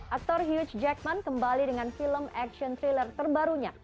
aktor hugh jackman kembali dengan film action thriller terbarunya